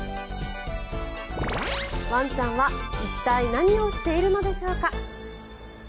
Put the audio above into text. ワンちゃんは一体何をしているのでしょうか。